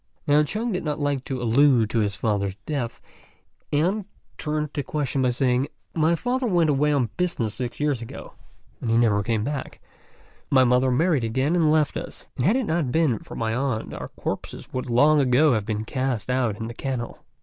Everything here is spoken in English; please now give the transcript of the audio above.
Now Chung did not like to allude to his father's death, and turned the question by saying, "My father went away on business six years ago, and never came back; my mother married again and left us, and had it not been for my aunt our corpses would long ago have been cast out in the kennel."